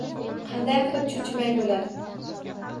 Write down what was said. Qanday qilib cho’chimay bo’lar.